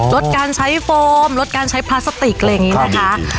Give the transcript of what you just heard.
ลดการใช้โฟมลดการใช้พลาสติกอะไรอย่างนี้นะคะ